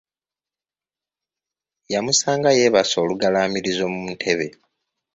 Yamusanga yeebase olugalaamirizo mu ntebe.